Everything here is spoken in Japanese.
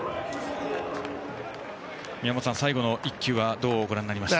宮本さん、最後の１球はどうご覧になりました？